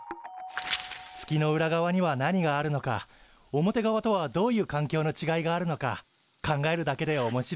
月の裏側には何があるのか表側とはどういう環境のちがいがあるのか考えるだけでおもしろいよね。